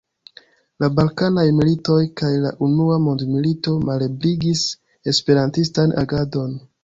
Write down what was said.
La balkanaj militoj kaj la Unua Mondmilito malebligis esperantistan agadon.